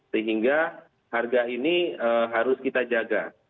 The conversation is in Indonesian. sehingga harga ini harus kita jaga